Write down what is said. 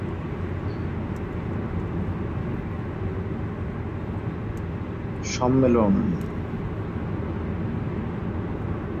সম্মেলনটি ছিল কর্মীদের একটি সংগঠন যারা তৃতীয় পক্ষের রাজনীতির প্রচার করেছিল এবং তারা কৃষক ও শ্রমিকদের স্বার্থের পক্ষে ছিল।